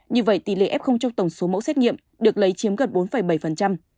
như vậy tỷ lệ f trong tổng số mẫu xét nghiệm được lấy chiếm gần bốn bảy